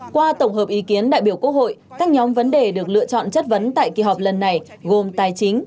qua tổng hợp ý kiến đại biểu quốc hội các nhóm vấn đề được lựa chọn chất vấn tại kỳ họp lần này gồm tài chính